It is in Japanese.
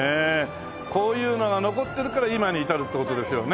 こういうのが残ってるから今に至るって事ですよね。